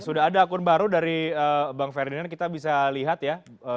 sudah ada akun baru dari bang ferdinand kita bisa lihat ya